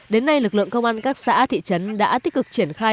đến nay lực lượng công an các xã thị trấn đã tích cực triển khai